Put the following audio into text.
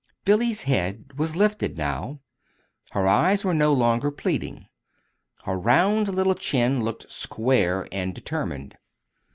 Billy's head was lifted now. Her eyes were no longer pleading. Her round little chin looked square and determined.